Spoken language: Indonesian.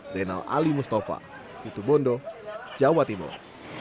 zainal ali mustafa situbondo jawa timur